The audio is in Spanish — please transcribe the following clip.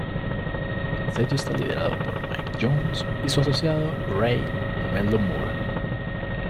El sello está liderado por Mike Jones y su asociado Ray "Mello" Moore.